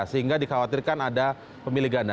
sehingga dikhawatirkan ada pemilih ganda